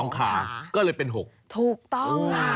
ขาก็เลยเป็น๖ถูกต้องค่ะ